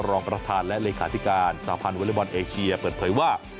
รองประธานและเลขาธิการสาพันธ์วอเล็กบอลเอเชียเปิดเผยว่า